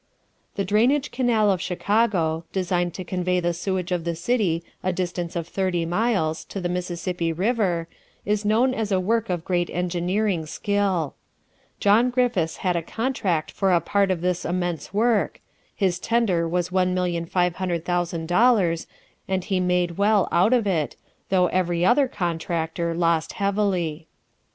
The drainage canal of Chicago, designed to convey the sewage of the city a distance of thirty miles, to the Mississippi River, is known as a work of great engineering skill. John Griffiths had a contract for a part of this immense work; his tender was $1,500,000 and he made well out of it, though every other contractor lost heavily.